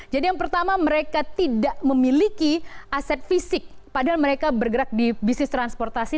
yang pertama mereka tidak memiliki aset fisik padahal mereka bergerak di bisnis transportasi